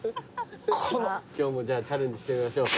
今日もじゃあチャレンジしてみましょうか。